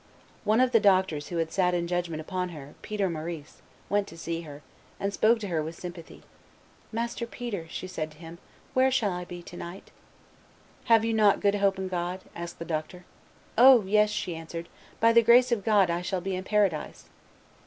One of the doctors who had sat in judgment upon her, Peter Maurice, went to see her, and spoke to her with sympathy. "Master Peter," said she to him, "where shall I be to night?" "Have you not good hope in God?" asked the doctor. "O! yes," she answered; "by the grace of God I shall be in paradise."